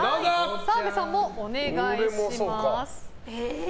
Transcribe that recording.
澤部さんもお願いします。